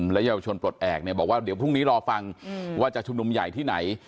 และเยาวชนปลดแอบเนี่ยบอกว่าเดี๋ยวพรุ่งนี้รอฟังว่าจะชุมนุมใหญ่ที่ไหน